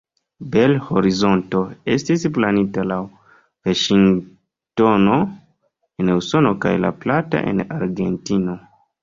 Bel-Horizonto estis planita laŭ Vaŝingtono en Usono kaj La Plata en Argentino.